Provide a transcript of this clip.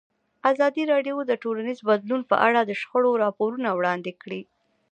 ازادي راډیو د ټولنیز بدلون په اړه د شخړو راپورونه وړاندې کړي.